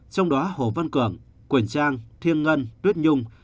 trong đó hồ văn cường quỳnh trang thiêng ngân tuyết nhung